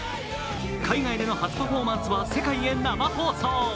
海外での初パフォーマンスは世界で生放送。